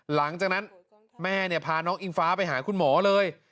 หลังจากนั้นแม่พาน้องอิงฟ้าไปหาคุณหมอเลย